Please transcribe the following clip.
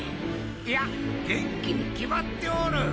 いや元気に決まっておる。